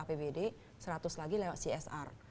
apbd seratus lagi lewat csr